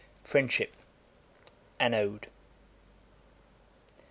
FRIENDSHIP, an ODE.